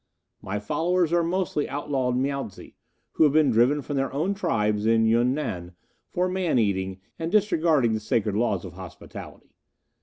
"My followers are mostly outlawed Miaotze, who have been driven from their own tribes in Yun Nan for man eating and disregarding the sacred laws of hospitality.